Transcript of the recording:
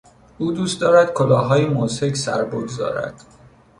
او دوست دارد کلاههای مضحک سر بگذارد.